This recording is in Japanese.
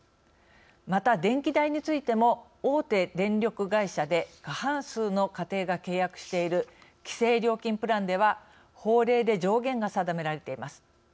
また、電気代についても大手電力会社で過半数の家庭が契約している規制料金プランでは法令で上限が定められています。